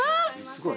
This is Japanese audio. すごい。